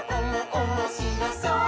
おもしろそう！」